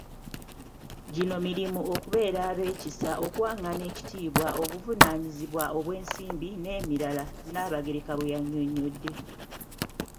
"Gino mulimu: okubeera ab’ekisa, okuwangana ekitibwa, obuvunaanyizibwa obw’ensimbi n’emirala,” Nnaabagereka bwe yannyonnyodde.